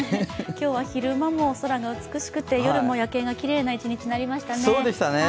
今日昼間も空が美しくて夜も夜景がきれいな一日になりましたね。